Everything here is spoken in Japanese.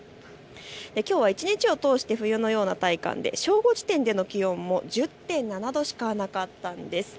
きょうは一日を通して冬のような体感で正午時点の気温、１０．７度しかなかったんです。